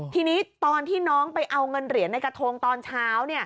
ทีนี้ตอนที่น้องไปเอาเงินเหรียญในกระทงตอนเช้า